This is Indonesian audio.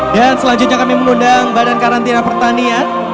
dan selanjutnya kami mengundang badan karantina pertanian